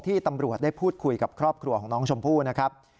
ตำรวจได้พูดคุยกับครอบครัวของน้องชมพู่นะครับ